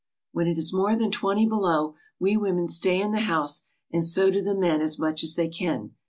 "When it is more than twenty below we women stay in the house and so do the men as much as they can.